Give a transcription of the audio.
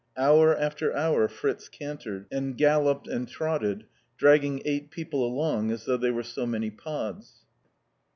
Hour after hour Fritz cantered, and galloped and trotted, dragging eight people along as though they were so many pods.